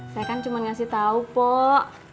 saya kan cuma ngasih tahu pok